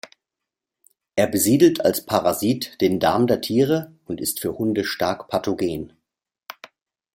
Er besiedelt als Parasit den Darm der Tiere und ist für Hunde stark pathogen.